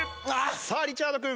さあリチャード君。